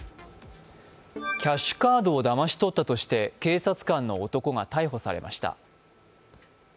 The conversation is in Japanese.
キャッシュカードをだまし取ったとして警察官の男が逮捕されました。